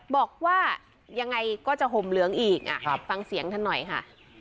บอกว่ายังไงก็จะห่มเหลืองอีกฟังเสียงท่านหน่อยค่ะ